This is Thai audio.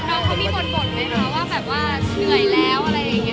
น้องเขามีบ่นไหมคะว่าแบบว่าเหนื่อยแล้วอะไรอย่างนี้